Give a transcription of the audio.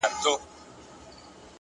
اخلاق د انسان له شتمنۍ لوړ دي